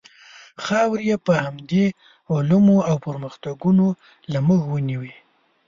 خاورې یې په همدې علومو او پرمختګونو له موږ ونیوې.